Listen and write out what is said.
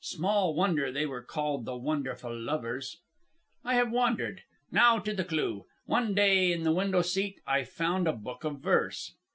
Small wonder they were called the wonderful lovers. "I have wandered. Now to the clue. One day in the window seat I found a book of verse.